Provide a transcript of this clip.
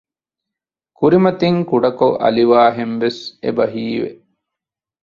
ކުރިމަތިން ކުޑަކޮށް އަލިވާހެންވެސް އެބަ ހީވެ